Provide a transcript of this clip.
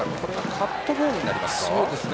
カットボールになりますか。